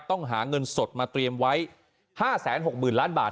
ต้องหาเงินสดมาเตรียมไว้ห้าแสนหกหมื่นล้านบาท